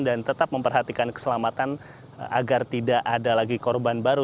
dan tetap memperhatikan keselamatan agar tidak ada lagi korban baru